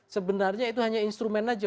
sebenarnya itu hanya instrumen saja